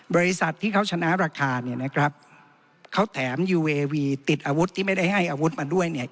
บริษัทที่เขาชนะราคาเนี่ยนะครับเขาแถมยูเววีติดอาวุธที่ไม่ได้ให้อาวุธมาด้วยเนี่ย